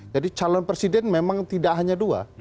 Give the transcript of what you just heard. calon presiden memang tidak hanya dua